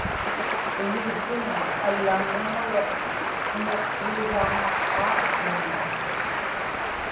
iñuusiŋa allaŋŋuŋaruq qiñiqtuuraaŋaqqaaqłuni